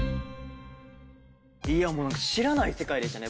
いやもうなんか知らない世界でしたね。